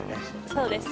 そうです。